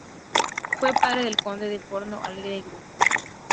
Fue padre del conde de Porto Alegre.